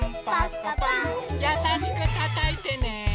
やさしくたたいてね。